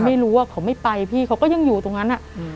ไม่รู้ว่าเขาไม่ไปพี่เขาก็ยังอยู่ตรงนั้น